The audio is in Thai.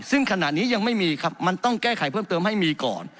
ซึ่งขณะนี้ยังไม่มีครับมันต้องแก้ไขเพิ่มเติมให้มีก่อน